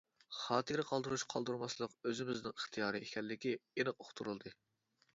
خاتىرە قالدۇرۇش-قالدۇرماسلىق ئۆزىمىزنىڭ ئىختىيارى ئىكەنلىكى ئېنىق ئۇقتۇرۇلدى.